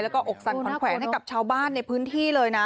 แล้วก็อกสั่นขวัญแขวนให้กับชาวบ้านในพื้นที่เลยนะ